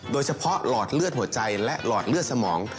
โดยเฉพาะหลอดเลือดหัวใจและหลอดเลือดสมอง